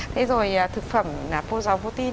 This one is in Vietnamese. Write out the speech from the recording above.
thế rồi thực phẩm là phô giò protein